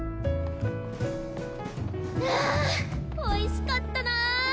あおいしかったな！